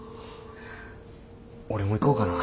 俺も行こうかな。